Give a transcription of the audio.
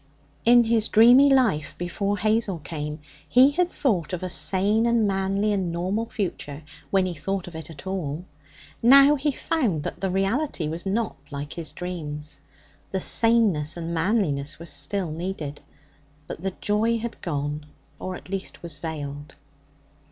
In his dreamy life before Hazel came, he had thought of a sane and manly and normal future when he thought of it at all. Now he found that the reality was not like his dreams. The saneness and manliness were still needed, but the joy had gone, or at least was veiled.